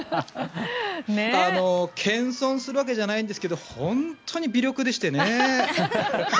謙遜するわけじゃないんですが本当に微力でしてね。